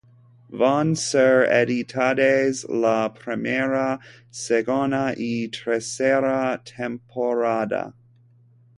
Van ser editades la primera, segona i tercera temporada.